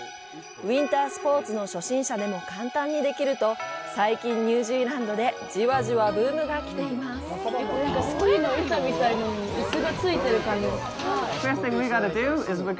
ウインタースポーツの初心者でも簡単にできると最近、ニュージーランドでじわじわブームが来ています。